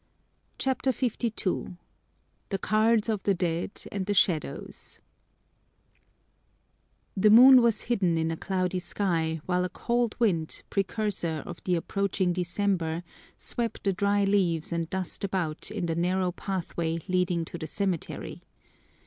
CHAPTER LII The Cards of the Dead and the Shadows The moon was hidden in a cloudy sky while a cold wind, precursor of the approaching December, swept the dry leaves and dust about in the narrow pathway leading to the cemetery.